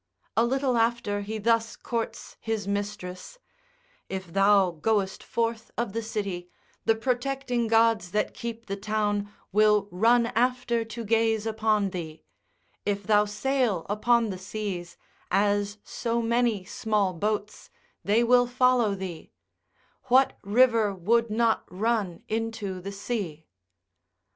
A little after he thus courts his mistress, If thou goest forth of the city, the protecting gods that keep the town will run after to gaze upon thee: if thou sail upon the seas, as so many small boats, they will follow thee: what river would not run into the sea?